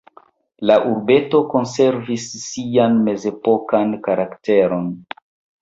La urbeto konservis sian mezepokan karakteron.